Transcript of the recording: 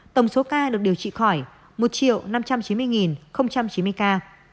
tổng số ca được điều trị khỏi một năm trăm chín mươi chín mươi ca